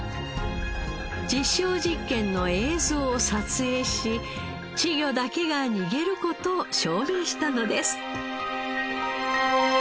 実証実験の映像を撮影し稚魚だけが逃げる事を証明したのです。